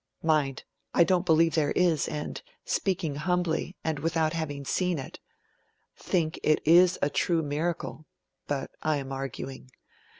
(Mind, I don't believe there is and, speaking humbly, and without having seen it, think it a true miracle but I am arguing.)